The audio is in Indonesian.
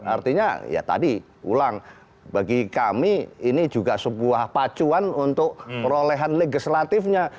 artinya ya tadi ulang bagi kami ini juga sebuah pacuan untuk perolehan legislatifnya